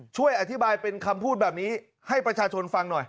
ช่วยอธิบายเป็นคำพูดแบบนี้ให้ประชาชนฟังหน่อย